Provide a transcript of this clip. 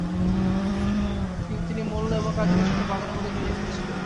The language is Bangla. তিনি তিনি মোল্লা এবং কাজীদের সাথে বাদানুবাদে জড়িয়ে পড়েছিলেন।